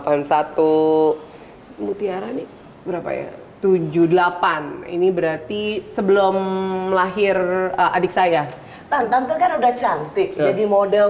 tujuh puluh delapan hai ini berarti sebelum melahir adik saya tanpa kan udah cantik jadi model